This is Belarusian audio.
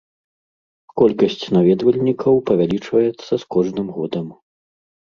Колькасць наведвальнікаў павялічваецца з кожным годам.